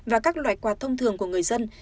và các loại quạt thông thường của người dân